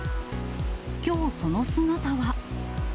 きょう、その姿は。